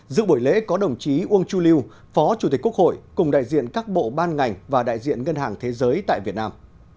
giữa buổi lễ có đồng chí uông chu lưu phó chủ tịch quốc hội cùng đại diện các bộ ban ngành và đại diện ngân hàng thế giới tại việt nam